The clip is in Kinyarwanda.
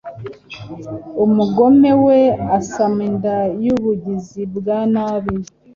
Umugome we asama inda y’ubugizi bwa nabi